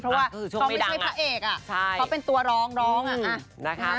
เพราะว่าเขาไม่ใช่พระเอกเขาเป็นตัวร้องร้องอ่ะนะคะ